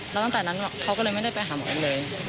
แล้วตั้งแต่นั้นเขาก็เลยไม่ได้ไปหาหมอเองเลย